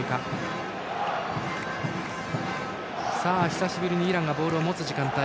久しぶりにイランがボールを持つ時間帯。